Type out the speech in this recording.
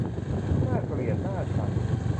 น่าเกลียดน่าชัง